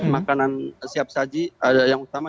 makanan siap saji adalah yang utama